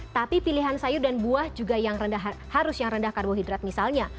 tapi pilihan sayur dan buah juga yang rendah harus yang rendah karbohidrat misalnya